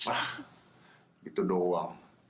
ah itu doang